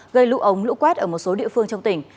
gây lũ ống lũ quét ở một số địa phương trong tỉnh